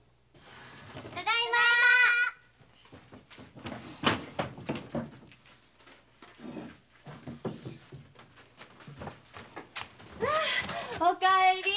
ただいま！お帰り！